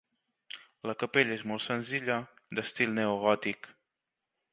La capella és molt senzilla d'estil neogòtic.